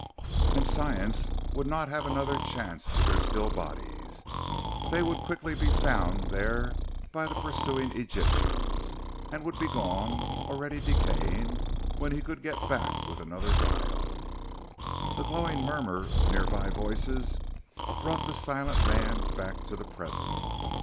And science would not have another chance with their still bodies. They would quickly be found there by the pursuing Egyptians, and would be gone, already decaying, when he could get back with another vial.... A growing murmur of nearby voices brought the silent man back to the present.